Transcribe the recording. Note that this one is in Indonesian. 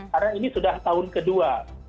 karena ini sudah tahun kedua